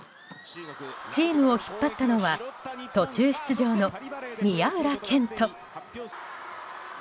チームを引っ張ったのは途中出場の宮浦健人。